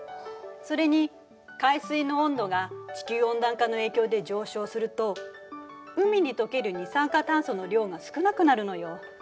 それに海水の温度が地球温暖化の影響で上昇すると海に溶ける二酸化炭素の量が少なくなるのよ。